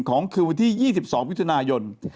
ของคืนวันที่๒๒วิทยุธนายน